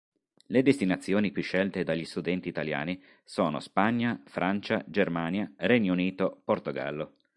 Le destinazioni più scelte dagli studenti italiani sono Spagna, Francia, Germania, Regno Unito, Portogallo.